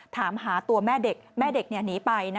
ถามหาตัวแม่เด็กแม่เด็กหนีไป